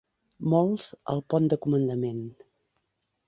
Molts, al pont de comandament.